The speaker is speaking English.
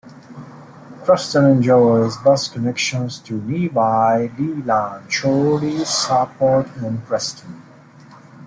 Croston enjoys bus connections to nearby Leyland, Chorley, Southport, and Preston.